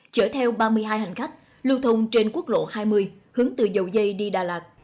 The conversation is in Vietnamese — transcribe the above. chở theo ba mươi hai hành khách lưu thông trên quốc lộ hai mươi hướng từ dầu dây đi đà lạt